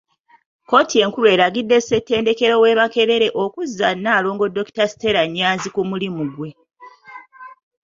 Kkooti enkulu eragidde Ssettendekero w'e Makerere okuzza Nalongo Dokita Stella Nnyanzi ku mulimu gwe.